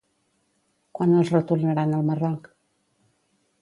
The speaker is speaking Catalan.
Quan els retornaran al Marroc?